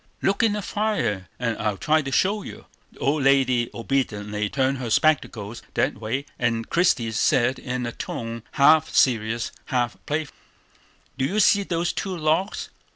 "Look in the fire, and I'll try to show you." The old lady obediently turned her spectacles that way; and Christie said in a tone half serious, half playful: "Do you see those two logs?